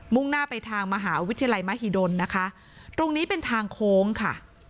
่งหน้าไปทางมหาวิทยาลัยมหิดลนะคะตรงนี้เป็นทางโค้งค่ะ